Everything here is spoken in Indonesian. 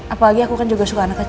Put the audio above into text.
apalagi aku kan juga suka anak kecil